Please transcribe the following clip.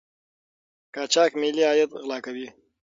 قاچاق ملي عاید غلا کوي.